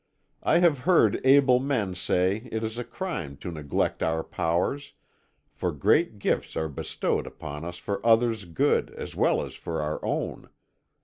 I have heard able men say it is a crime to neglect our powers, for great gifts are bestowed upon us for others' good as well as for our own.